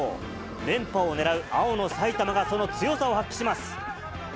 連覇を狙う青の埼玉が、その強さを発揮します。